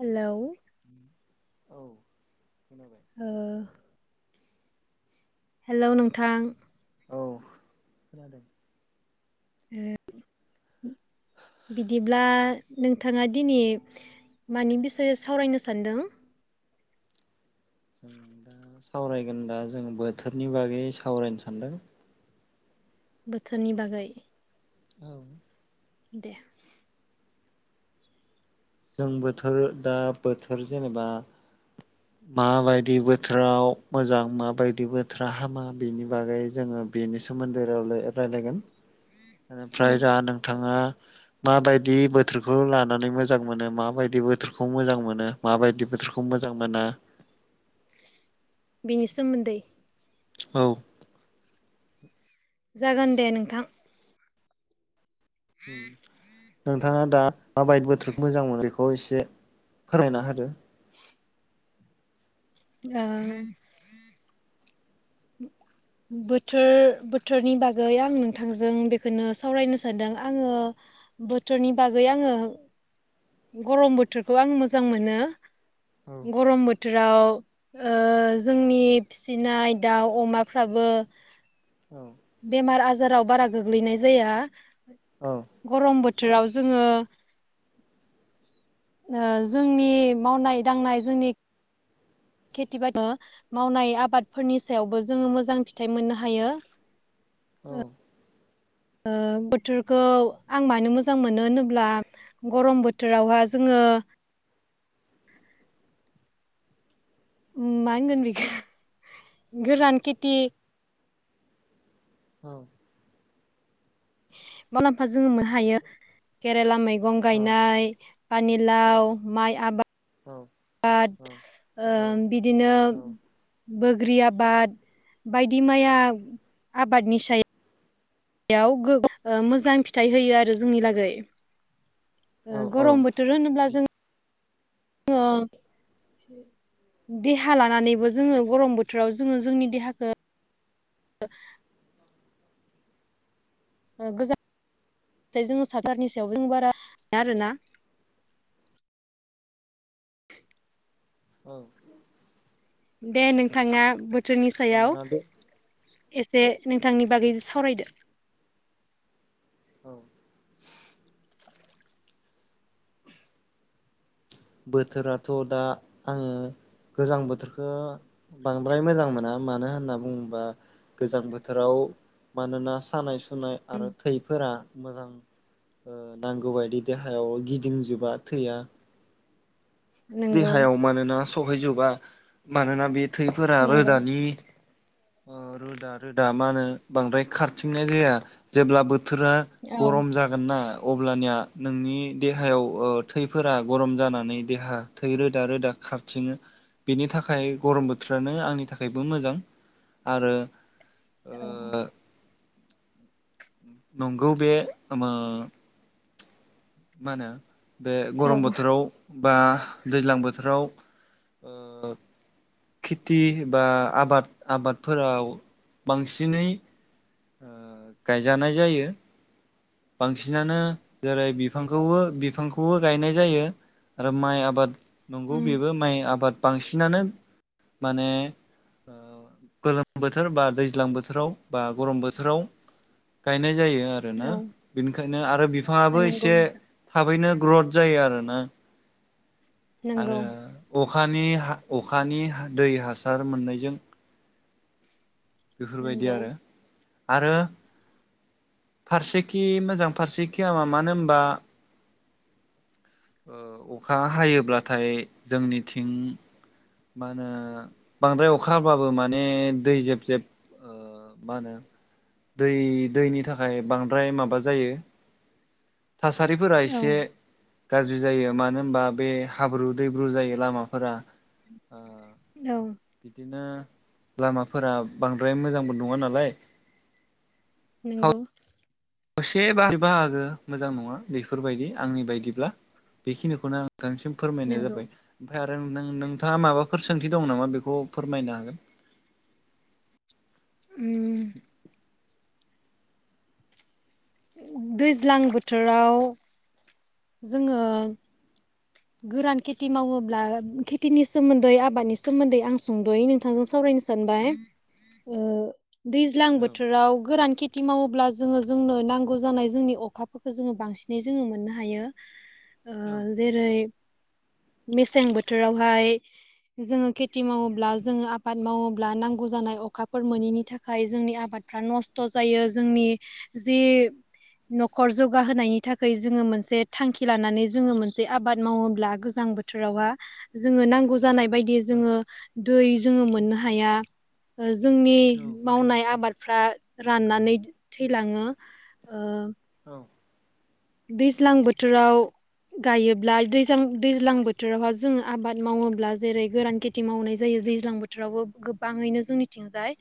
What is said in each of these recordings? Hello [inaudible] ओ हेल' नोंथां औ खोनादों ओ बिदिब्ला नोंथाङा दिनै मानि बिसयाव सावरायनो सानदों जों दा सावरायगोन दा जों बोथोरनि बागै सावरायनो सानदों बोथोरनि बागै औ दे जों बोथोर दा बोथोर जेनेबा माबायदि बोथोराव मोजां माबायदि बोथोरा हामा बेनि बागै जोङो बेनि सोमोन्दै रायलायगोन ओमफ्राय औ दा नोंथाङा माबायदि बोथोरखौ लानानै मोजां मोनो माबायदि बोथोरखौ मोजां मोनो माबायदि बोथोरखौ मोजां मोना [inaudible] बेनि सोमोन्दै औ जागोन दे नोंथां नोंथाङा दा मा [unintelligible] बोथोरखौ मोजां मोनो बेखौ एसे फोरमायना होदो ओं बोथोर बोथोरनि बागै आं नोंथांजों बेखौनो सावरायनो सानदों आङो बोथोरनि बागै आङो गरम बोथोरखौ आं मोजां मोनो औ गरम बोथोर बोथोराव ओ जोंनि फिसिनाय दाउ अमाफ्राबो औ बेमार आजाराव बारा गोग्लैनाय जाया औ गरम बोथोराव जोङो ओ जोंनि मावनाय दांनाय जोंनि खेथि बाथि मावनाय आबादफोरनि सायावबो जोङो मोजां फिथाइ मोननो हायो औ ओ बोथोरखौ आं मानो मोजां मोनो होनोब्ला गरम बोथोरावहाय जोङो मा होनगोन बिखौ गोरान खेथि औ मुलाम्फा जोङो मोननो हायो केरेला मैगं औ गायनाय पानिलाव माइ औ आबाद आबाद ओ बिदिनो बोग्रि आबाद बायदि माया आबादनि सायाव याव मोजां फिथाइ होयो आरो जोंनि लागै औ औ गरम बोथोर होनोब्ला जों जों देहा लानानैबो जोङो गरम बोथोराव जोङो जोंनि देहाखौ [unintelligible] औ। दे नोंथाङा थोरनि सायाव मानोना बे एसे नोंथांनि बागै सावरायदो। औ। बोथोराथ दा आङो गोजां बोथोरखौ बांद्राय मोजां मोना मानो होनना बुङोबा गोजां बोथोराव मानोना सानाय सु सुनाय आरो थैफोरा मोजां ओ नांगौबायदि देहायाव गिदिंजोबा थैया। नंगौ देहायाव मानोना सहैजोबा मानोना बे थैफोरा नंगौ रोदानि अ रोदा रोदा मा होनो बांद्राय खारथिंनाय जाया जेब्ला बो थोरा औ गरम जागोन ना अब्लानिया नोंनि देहायाव ओ थैफोरा गरम जानानै देहा थै रोदा रोदा खारथिङो बेनि थाखाय गरम बोथोरानो आंनि थाखायबो मोजां आरो औ ओ नंगौ बे ओ मा होनो बे गरम औ बोथोराव बा दैज्लां बोथोराव खेथि बा आबाद आबादफोराव बांसिनै ओ गायजानाय जायो। बांसिनानो जेरै बिफांखौबो बिफांखौबो गायनाय जायो आरो माइ आबाद नंगौ उम बेबो माइ आबाद बांसिनानो माने ओ गोलोम बोथोर बा दैज्लां बोथोराव बा गरम बोथोराव गायनाय जायो। आरोना। औ बेनिखायनो आरो बिफाङाबो नंगौ एसे थाब थाबैनो ग्रथ जायो आरोना। नंगौ आङो अ अखानि हा अखानि हा दै हासार मोननायजों बेफोरबायदि नंगौ आरो। आरो फारसेखि मोजां फारसेखि हामा मानो होनबा ओ अखा हायोब्लाथाय जोंनिथिं मा होनो बांद्राय अखा हाबाबो माने दै जेब जेब ओ मा होनो दै दैनि थाखाय बांद्राय माबा जायो। थासारिफोरा औ इसे गाज्रि जायो मानो होनबा बे हाब्रु दैब्रु जायो लामाफोरा ओ औ बिदिनो लामाफोरा बांद्राय मोजांबो नङा नालाय नंगौ दसे बा बाहागो मोजां नङा बेफोरबायदि आंनि बायदिब्ला बेखिनिखौनो आं थांसिम फोरमायनाय नंगौ जाबाय ओमफ्राय आं नों नों नोंथाङा माबाफोर सोंथि दं नामा बेखौ फोरमायनो हागोन। उम दैज्लां बोथोराव जोङो गोरान खेथि मावोब्ला खेथिनि सोमोन्दै आबादनि सोमोन्दै आं सुंद'यै नोंथांजों सावरायनो सानबाय ओ दैज्लां औ बोथोराव गोरान खेथि मावोब्ला जोङो जोंनो नांगौ जानाय जोंनि अखाफोरखौ जोङो बांसिनै जोङो मोननो हायो। [inaudible] ओ औ जेरै मेसें बोथोरावहाय जोङो खेथि मावोब्ला जोङो आबाद मावोब्ला नांगौ जानाय अखाफोर मोनैनि थाखाय जोंनि आबादफ्रा नस्थ' जायो जोंनि जि न'खर जौगाहोनायनि थाखाय जोङो मोनसे थांखि लानानै जोङो मोनसे आबाद मावोब्ला गोजां बोथोरावहा जोङो नांगौ जानाय बायदि जोङो दै जोङो मोननो हाया ओ जोंनि औ मावनाय आबाद फ्रा राननानै थैलाङो ओ औ औ दैज्लां बोथोराव गायोब्ला दैजां दैज्लां बोथोरावहा जोङो आबाद मावोब्ला जेरै गोरान खेथि मावनाय जायो दैज्लां बोथोरावबो गोबाङैनो जोंनिथिंजाय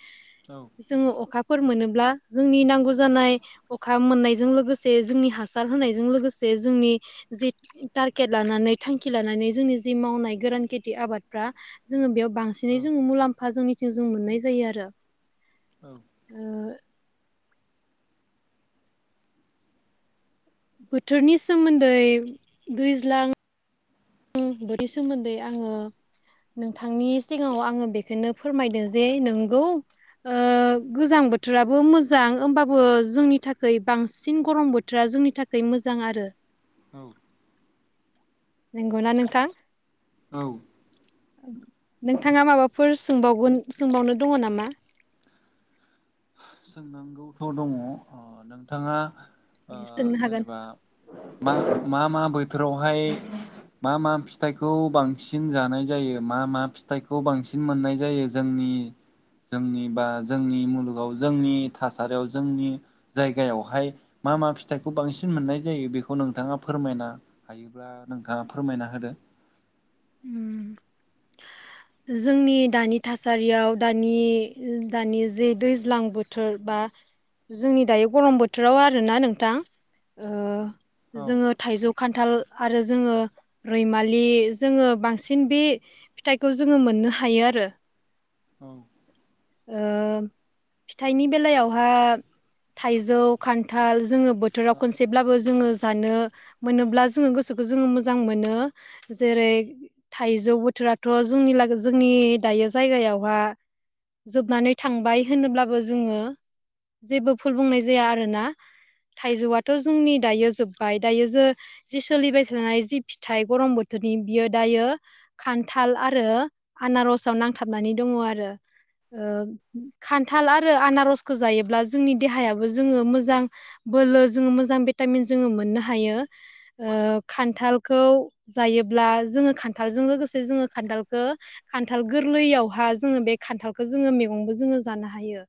औ जोङो अखा फोर मोनोब्ला जोंनि नांगौ जानाय अखा मोननायजों लोगोसे जोंनि हासा हासार होनायजों लोगोसे जोंनि जि टारगेट लानानै थांखि लानानै जोंनि जि मावनाय गोरान खेथि आबादफ्रा जोङो बेयाव बांसिनै औ जो मुलामफा जोंनिथिं जों मोननाय जायो आरो औ ओ बोथोरनि सोमोन्दै दैज्लां [unintelligible] सोमोन्दै आङो नोंथांनि सिगाङाव आङो बेखौनो फोरमायदों जे नोंगौ गोजां बोथोराबो मोजां होमबाबो जोंनि थाखाय बांसिन गरम बोथोरा जोंनि थाखाय मोजां आरो औ नंगौना नोंथां औ नोंथाङा माबाफोर सोंबावगोन सोंबावनो दङ नामा सोंनांगौथ' दङ नोंथाङा ओ सोंनो हागोन जेनेबा मा मा मा बोथोरावहाय मा मा फिथाइखौ बांसिन जानाय जायो मा मा फिथाइखौ बांसिन मोननाय जायो जोंनि जोंनि बा जोंनि मुलुगाव जोंनि थासारियाव जोंनि जायगायावहाय मा मा फिथाइखौ बांसिन मोननाय जायो बेखौ नोंथाङा फोरमायनो हायोब्ला नोंथाङा फोरमायना होदो। उम जोंनि दानि थासारियाव दानि दानि जे दैज्लां बोथोर बा जोंनि दायो गरम बोथोराव आरोना नोंथां औ जोङो थाइजौ खान्थि खान्थाल आरो जोङो रैमालि जोङो बांसिन बे फिथ खौ जोङो मोननो हायो आरो औ फिथाइनि बेलायावहा थाइजौ खान्थाल जोङो बोथोराव औ खनसेब्लाबो जोङो जानो मोनोब्ला जोङो गोसोखौ जोङो मोजां मोनो जेरै थाइजौ बोथोरा जनि जोंनि दायो जायगायावहा जोबनानै थांबाय होनोब्लाबो जोङो जेबो फुल बुंनाय जाया आरोना थाइजौआथ' जोंनि दायो जोब्बाय दायो ज जि सोलिबाय थानाय जि फिथाइ गरम बोथोरनि बियो दायो ख खान्थाल आरो आनारसआव नांथाबनानै दङ आरो खान्थाल आरो आनारसखौ जायोब्ला जोंनि देहायाबो जोङो मोजां बोलो जोङो मोजां भिटामिन जोङो मोननो हायो खान्थालखौ जायोब्ला जोङो खान्थालजों लोगोसे जोङो खान्थालखौ खान्थाल गोरलैयावहा जोङो बे खान्थालखौो जोङो मैगंबो जोङो जानो हायो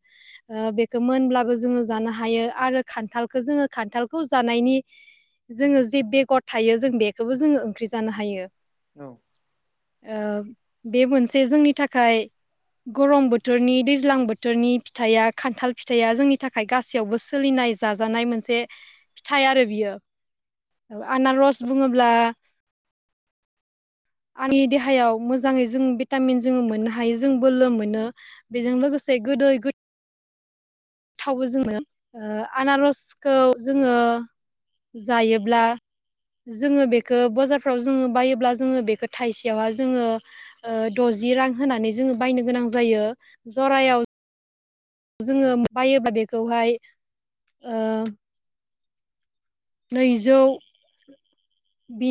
बेखौ मोनब्लाबो जोङो जानो हायो आरो खान्थालखौ जोङो खान्थालखौ जानायनि जोङो जे बेगर थायो जों बेखौबो जोङो ओंख्रि जानो हायो औ बे मोनसे जोंनि थाखाय गरम बोथोरनि दैज्लां बोथोरनि फिथाइया खान्थाल फिथाइया जोंनि थाखाय गासैयावबो सोलिनाय जाजानाय मोनसे फिथाइ आरो बियो आनारस बुङोब्ला आंनि देहायाव मोजाङै जों भिटामिन जोङो मोननो हायो जों बोलो मोनो बेजों लोगोसे गोदै थावबो जोङो आनारसखौ जोङो जायोब्ला जोङो बेखौ बाजारफ्राव जोङो बायोब्ला जोङो बेखौ थाइसेयावहा जोङो द'जि रां होनानै जोङो बायनो गोनां जायो जरायाव जोङो बायोबा बेखौहाय नैौ